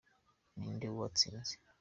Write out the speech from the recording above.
Ninde watsinze?